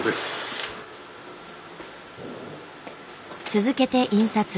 続けて印刷。